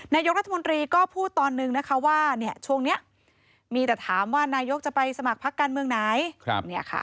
นายกรัฐมนตรีก็พูดตอนนึงนะคะว่าช่วงนี้มีแต่ถามว่านายกจะไปสมัครพักการเมืองไหน